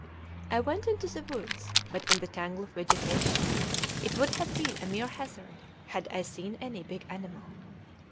I went into the woods, but in the tangle of vegetation it would have been a mere hazard had I seen any big animal.